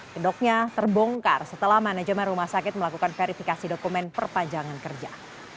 kedoknya terbongkar setelah manajemen rumah sakit melakukan verifikasi dokumen perpanjangan kerja